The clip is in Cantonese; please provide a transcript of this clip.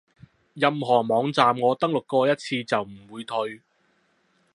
任何網站我登錄過一次就唔會退